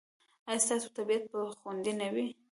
ایا ستاسو طبیعت به خوندي نه وي؟